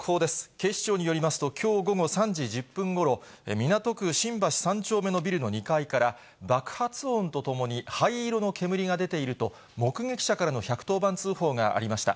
警視庁によりますと、きょう午後３時１０分ごろ、港区新橋３丁目のビルの２階から、爆発音とともに灰色の煙が出ていると、目撃者からの１１０番通報がありました。